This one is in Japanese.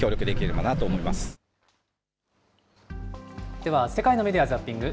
では、世界のメディア・ザッピング。